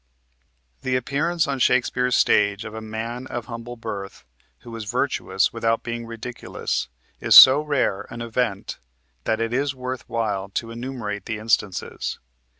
The appearance on Shakespeare's stage of a man of humble birth who is virtuous without being ridiculous is so rare an event that it is worth while to enumerate the instances.